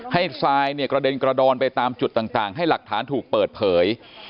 ทรายเนี่ยกระเด็นกระดอนไปตามจุดต่างให้หลักฐานถูกเปิดเผย